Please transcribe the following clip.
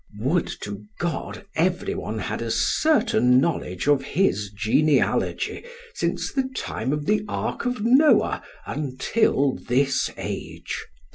Would to God everyone had as certain knowledge of his genealogy since the time of the ark of Noah until this age.